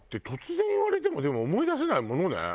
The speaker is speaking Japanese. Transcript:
突然言われてもでも思い出せないものね。